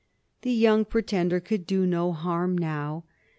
The Young Pretender could do no harm now.